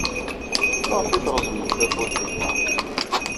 Maɣef ay treẓmem tawwurt-inna?